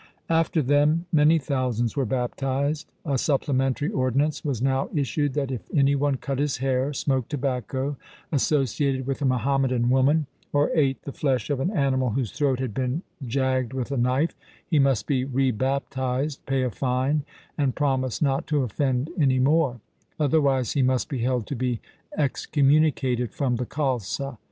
After them many thousands were baptized. A supplementary ordinance was now issued that if any one cut his hair, smoked tobacco, associated with a Muhammadan woman, or ate the flesh of an animal whose throat had been jagged with a knife, he must be re baptized, pay a fine, and promise not to offend any more : otherwise he must be held to be excommunicated from the Khalsa.